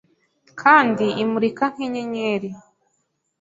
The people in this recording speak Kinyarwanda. Kandi imurika nk'inyenyeri